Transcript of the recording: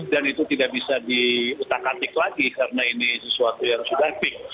dan itu tidak bisa diutakatik lagi karena ini sesuatu yang sudah pick